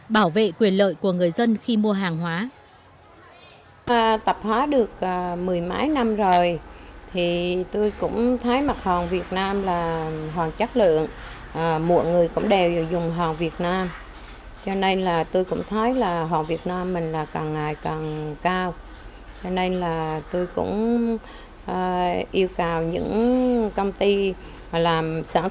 bảo vệ quyền lợi của người dân khi mua hàng hóa